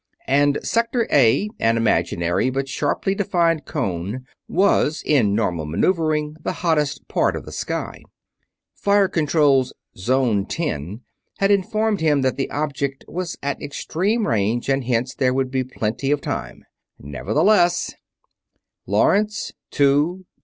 And Sector A, an imaginary but sharply defined cone, was in normal maneuvering the hottest part of the sky. Fire Control's "Zone Ten" had informed him that the object was at extreme range and hence there would be plenty of time. Nevertheless: "Lawrence two!